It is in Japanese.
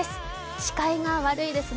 視界が悪いですね。